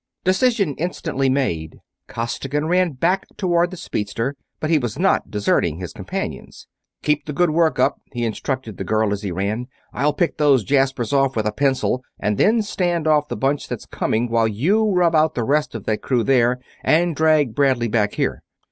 Decision instantly made, Costigan ran back toward the speedster, but he was not deserting his companions. "Keep the good work up!" he instructed the girl as he ran. "I'll pick those jaspers off with a pencil and then stand off the bunch that's coming while you rub out the rest of that crew there and drag Bradley back here."